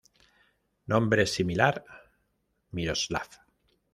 Nombre similar: Miroslav.